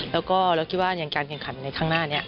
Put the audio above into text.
แล้วก็เราคิดว่าอย่างการแข่งขันในข้างหน้านี้